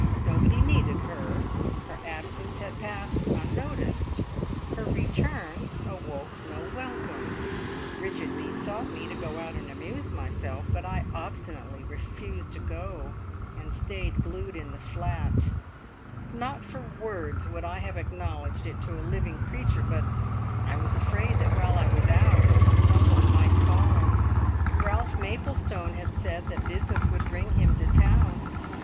Nobody needed her; her absence had passed unnoticed; her return awoke no welcome. Bridget besought me to go out and amuse myself, but I obstinately refused to go, and stayed glued in the flat. Not for worlds would I have acknowledged it to a living creature, but I was afraid that while I was out some one might call. Ralph Maplestone had said that business would bring him to town.